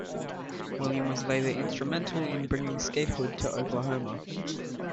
William was later instrumental in bringing statehood to Oklahoma.